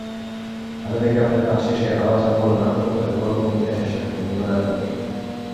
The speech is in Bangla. আধুনিকায়নের কাজ শেষে আবার চালু হলো নাট্যচর্চার গৌরবময় ইতিহাসের সাক্ষী মিলনায়তনটি।